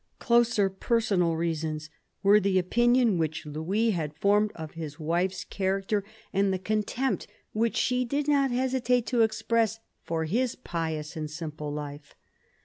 Closer personal reasons were the opinion which Louis had formed of his wife's character and the contempt r THE FRANKISH MONARCHY 7 which she did not hesitate to express for his pious and simple life.